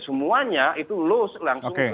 semuanya itu lulus langsung ke